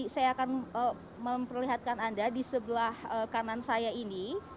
saya akan memperlihatkan anda di sebelah kanan saya ini